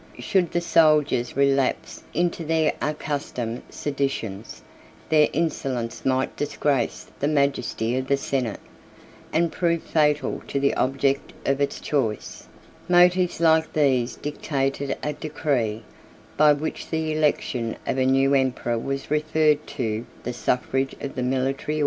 Should the soldiers relapse into their accustomed seditions, their insolence might disgrace the majesty of the senate, and prove fatal to the object of its choice. Motives like these dictated a decree, by which the election of a new emperor was referred to the suffrage of the military order. 1 (return) [ Vopiscus in Hist. August.